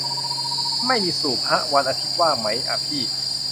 ไม่มีสูบฮะ วันอาทิตย์ว่างมั้ยอะพี่